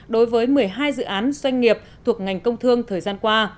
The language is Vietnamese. đối với một mươi hai dự án doanh nghiệp thuộc ngành công thương thời gian qua